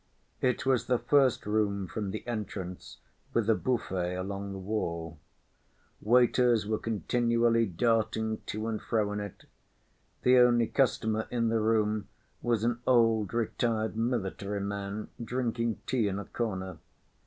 It was the first room from the entrance with a buffet along the wall. Waiters were continually darting to and fro in it. The only customer in the room was an old retired military man drinking tea in a corner.